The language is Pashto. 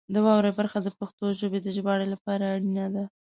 د واورئ برخه د پښتو ژبې د ژباړې لپاره اړینه ده.